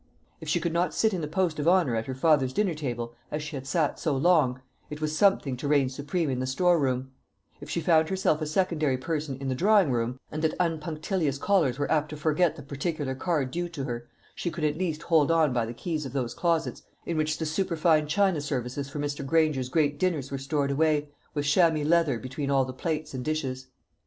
If she could not sit in the post of honour at her father's dinner table, as she had sat so long, it was something to reign supreme in the store room; if she found herself a secondary person in the drawing room, and that unpunctilious callers were apt to forget the particular card due to her, she could at least hold on by the keys of those closets in which the superfine china services for Mr. Granger's great dinners were stored away, with chamois leather between all the plates and dishes.